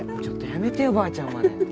ちょっとやめてよばあちゃんまで。